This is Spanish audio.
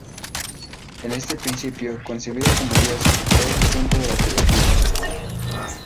Pero este principio, concebido como Dios, es asunto de la Teología.